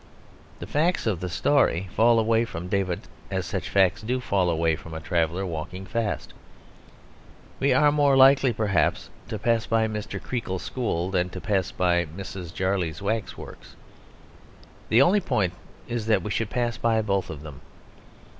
The facts of the story fall away from David as such facts do fall away from a traveller walking fast. We are more likely perhaps, to pass by Mr. Creakle's school than to pass by Mrs. Jarley's wax works. The only point is that we should pass by both of them.